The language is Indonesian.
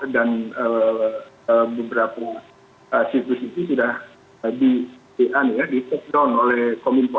dan beberapa situs itu sudah di checkdown oleh kominfo